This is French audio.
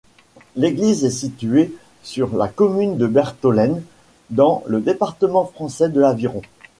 L'église est située sur la commune de Bertholène, dans le département français de l'Aveyron.